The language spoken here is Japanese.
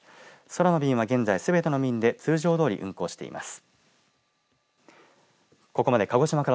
空の便は現在、すべての便で通常どおり運航しています。